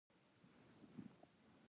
خو ته بیا هم صادق او مهربان پاتې شه.